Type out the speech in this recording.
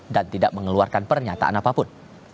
dan tidak mengeluarkan pernyataan apapun